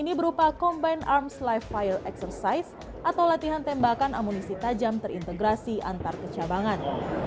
dan ini berupa combined arms live fire exercise atau latihan tembakan amunisi tajam terintegrasi antar kecabangan